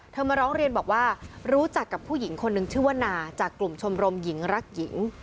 เธอมาร้องเรียนรู้จักพุยิงคนนึงชื่อว่านาจากกลุ่มชมรมหญิงรักหญิง